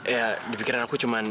ya dipikiran aku cuman